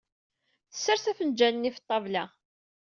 Tesres afenǧal-nni ɣef ṭṭabla.